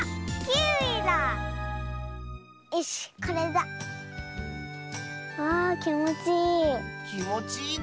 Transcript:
きもちいい！